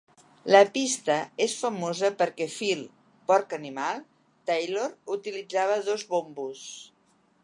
La pista és famosa perquè Phil "Porc animal" Taylor utilitzava dos bombos.